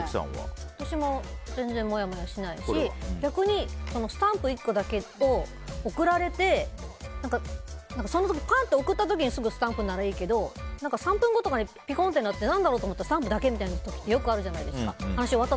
私も全然モヤモヤしないし逆にスタンプ１個だけを送られてその時、パンと送った時にスタンプだけならいいけど３分後とかにぴこんって鳴って何だろうって思ったらスタンプだけみたいな時ってよくあるじゃないですか。